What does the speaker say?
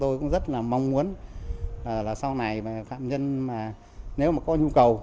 tôi cũng rất là mong muốn là sau này phạm nhân mà nếu mà có nhu cầu